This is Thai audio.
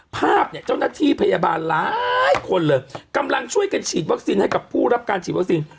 ภาพเนี่ยเจ้าหน้าที่พยาบาลหลายคนเลยกำลังช่วยกันฉีดวัคซีนให้กับผู้รับการฉีดวัคซีน